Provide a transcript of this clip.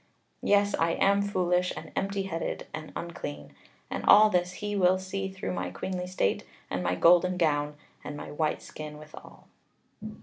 Yes, I am foolish, and empty headed, and unclean. And all this he will see through my queenly state, and my golden gown, and my white skin withal."